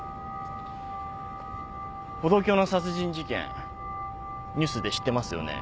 歩道橋の殺人事件ニュースで知ってますよね？